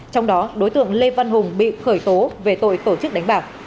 trong đó đối tượng lê văn hùng bị khởi tố về tội tổ chức đánh bạc